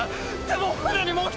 でも。